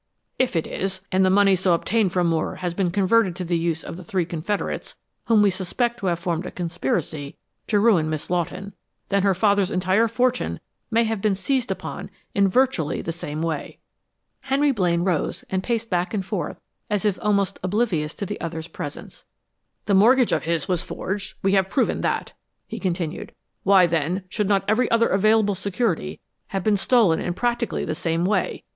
If it is, and the money so obtained from Moore has been converted to the use of the three confederates whom we suspect to have formed a conspiracy to ruin Miss Lawton, then her father's entire fortune might have been seized upon in virtually the same way." Henry Blaine rose and paced back and forth as if almost oblivious of the other's presence. "The mortgage of his was forged we have proved that," he continued. "Why, then, should not every other available security have been stolen in practically the same way?"